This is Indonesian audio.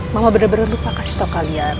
mama bener bener lupa kasih tau kalian